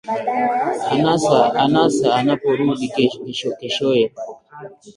Anasa anaporudi keshoye